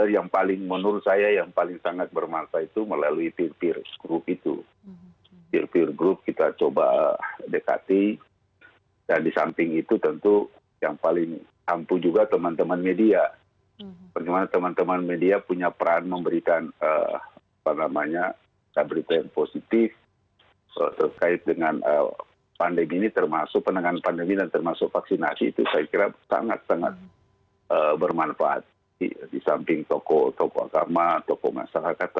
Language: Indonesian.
tapi yang paling penting teman teman media bagaimana memberikan informasi yang terpasir kepada masyarakat